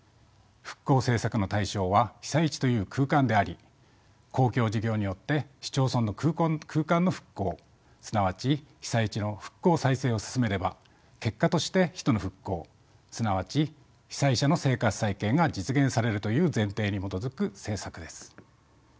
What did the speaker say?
復興政策の対象は被災地という空間であり公共事業によって市町村の空間の復興すなわち被災地の復興・再生を進めれば結果として人の復興すなわち被災者の生活再建が実現されるという前提に基づく政策です。